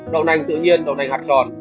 đậu nành tự nhiên đậu nành hạt tròn